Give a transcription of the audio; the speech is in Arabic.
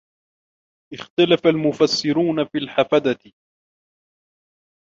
اخْتَلَفَ الْمُفَسِّرُونَ فِي الْحَفَدَةِ